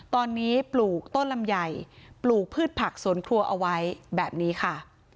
ตอนนี้ปลูกต้นลำไยปลูกพืชผักสวนครัวเอาไว้แบบนี้ค่ะ